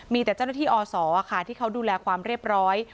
มีแต่เจ้าหน้าที่อศที่เขาดูแลความเรียบร้อย